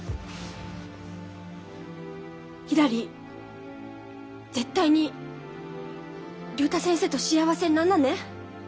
ひらり絶対に竜太先生と幸せになんなね。